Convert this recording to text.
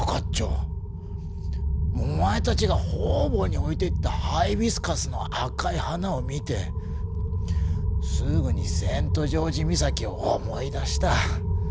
お前たちが方々に置いてったハイビスカスの赤い花を見てすぐにセントジョージ岬を思い出した。